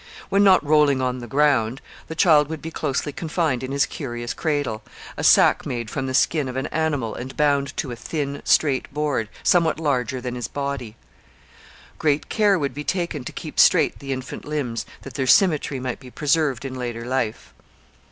When not rolling on the ground, the child would be closely confined in his curious cradle, a sack made from the skin of an animal and bound to a thin, straight board, somewhat larger than his body. Great care would be taken to keep straight the infant limbs, that their symmetry might be preserved in later life.